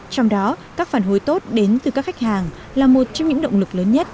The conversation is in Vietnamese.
trong đó các phản hối tốt đến từ các khách hàng là một trong những động lực lớn nhất